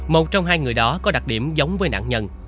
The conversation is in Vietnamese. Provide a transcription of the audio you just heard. một trong hai người đó có đặc điểm giống với nạn nhân